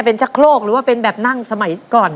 เป็นชะโครกหรือว่าเป็นแบบนั่งสมัยก่อน